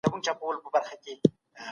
ژوند کی تکلیفونه په پيغمبرانوو هم راغلی.